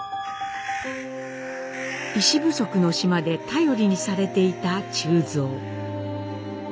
医師不足の島で頼りにされていた忠蔵。